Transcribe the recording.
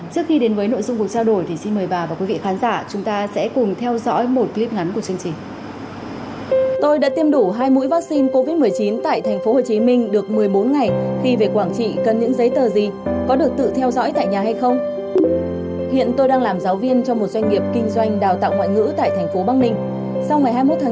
trước khi đến với nội dung cuộc trao đổi thì xin mời bà và quý vị khán giả